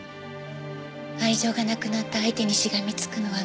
愛情がなくなった相手にしがみつくのは惨めですから。